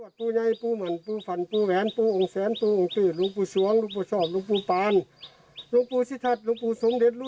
อยู่ใส่ก่อน๑๖ทาง๕๑๕ทาง๑๑เปิดโลกธาตุเด้อ